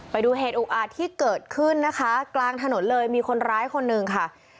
ไปดูเหตุอุกอาจที่เกิดขึ้นนะคะกลางถนนเลยมีคนร้ายคนหนึ่งค่ะ